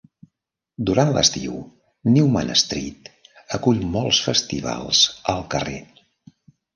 Durant l'estiu, Newman Street acull molts festivals al carrer.